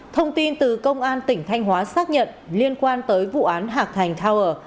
thông tin từ công an tỉnh thanh hóa xác nhận liên quan tới vụ án hạc thành tower